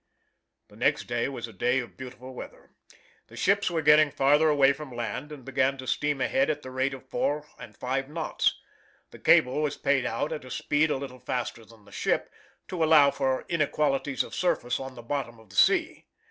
The next was a day of beautiful weather. The ships were getting farther away from land, and began to steam ahead at the rate of four and five knots. The cable was paid out at a speed a little faster than the ship, to allow for inequalities of surface on the bottom of the sea.